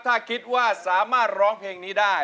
ถ้าคิดว่าสามารถร้องเพลงนี้ได้